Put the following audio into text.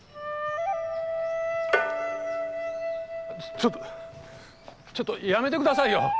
ちょっとちょっとやめてくださいよ！